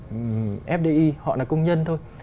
các doanh nghiệp fdi họ là công nhân thôi